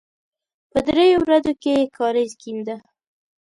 په دریو ورځو کې یې کاریز کېنده.